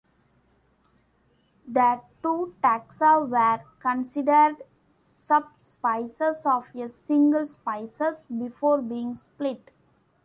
The two taxa were considered subspecies of a single species, before being split.